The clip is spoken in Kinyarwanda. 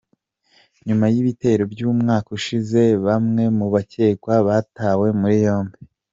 Nyuma y'ibitero by'umwaka ushize, bamwe mu bakekwa batawe muri yombi.